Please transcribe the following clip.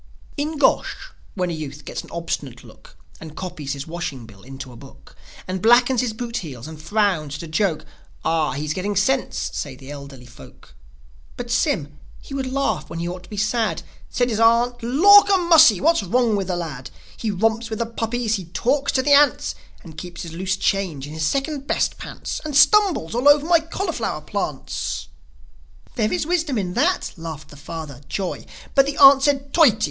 In Gosh, when a youth gets an obstinate look, And copies his washing bill into a book, And blackens his boot heels, and frowns at a joke, "Ah, he's getting sense," say the elderly folk. But Sym, he would laugh when he ought to be sad; Said his aunt, "Lawk a mussy! What's wrong with the lad? He romps with the puppies, and talks to the ants, And keeps his loose change in his second best pants, And stumbles all over my cauliflower plants!" "There is wisdom in that," laughed the father, Joi. But the aunt said, "Toity!"